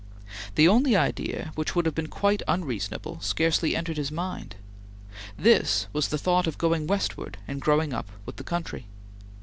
The only idea which would have been quite unreasonable scarcely entered his mind. This was the thought of going westward and growing up with the country.